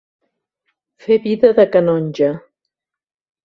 Fer vida de canonge.